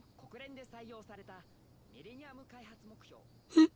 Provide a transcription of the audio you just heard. えっ